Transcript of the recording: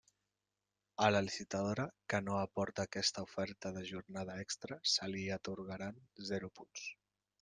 A la licitadora que no aporte aquesta oferta de jornada extra se li atorgaran zero punts.